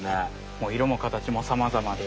もういろも形もさまざまで。